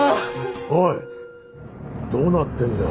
おいどうなってんだよ？